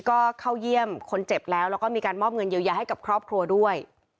ก็เข้าเยี่ยมคนเจ็บแล้วแล้วก็มีการมอบเงินเยียวยาให้กับครอบครัวด้วย